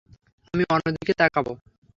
আমি অন্যদিকে তাকাবো?